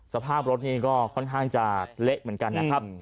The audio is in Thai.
สภาพรถนี่ก็ค่อนข้างจะเละเหมือนกันนะครับ